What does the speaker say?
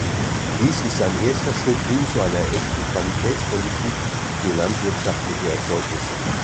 Dies ist ein erster Schritt hin zu einer echten Qualitätspolitik für landwirtschaftliche Erzeugnisse.